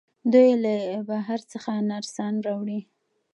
دوی له بهر څخه نرسان راوړي.